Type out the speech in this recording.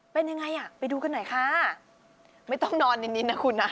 เป็นยังไงอ่ะไปดูกันหน่อยค่ะไม่ต้องนอนนิดนะคุณนะ